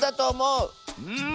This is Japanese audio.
うん。